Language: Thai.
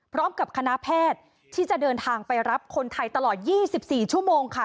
พร้อมกับคณะแพทย์ที่จะเดินทางไปรับคนไทยตลอด๒๔ชั่วโมงค่ะ